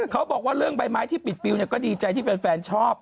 เขาบอกว่าเรื่องใบไม้ที่ปิดปิวก็ดีใจที่แฟนชอบ